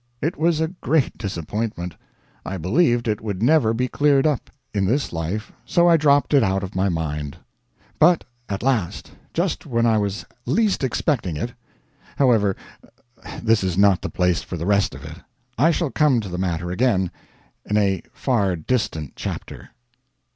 It was a great disappointment. I believed it would never be cleared up in this life so I dropped it out of my mind. But at last! just when I was least expecting it However, this is not the place for the rest of it; I shall come to the matter again, in a far distant chapter.